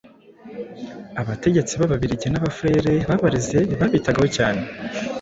Abategetsi b'Ababiligi n'Abafurere babareze babitagaho cyane,